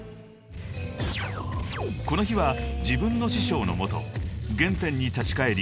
［この日は自分の師匠のもと原点に立ち返り